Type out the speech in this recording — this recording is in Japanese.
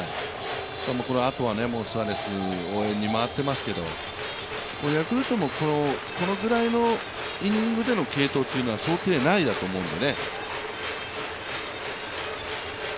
あとはスアレス、応援に回っていますけれども、ヤクルトもこのぐらいのイニングでの継投というのは想定内だと思うので。